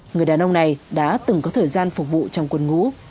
người đàn ông này đã từng có thời gian phục vụ trong quân ngũ